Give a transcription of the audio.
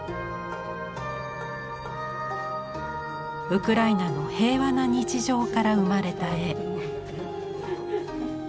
ウクライナの平和な日常から生まれた絵。